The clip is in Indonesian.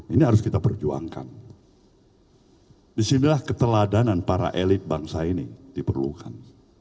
ini harus kita perjuangkan disinilah keteladanan para elit bangsa ini diperlukan